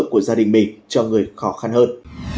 của gia đình mình cho người khó khăn hơn